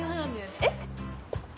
えっ？